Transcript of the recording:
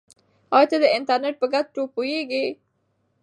آیا ته د انټرنیټ په ګټو پوهېږې؟